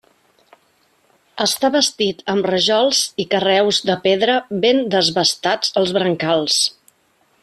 Està bastit amb rajols i carreus de pedra ben desbastats als brancals.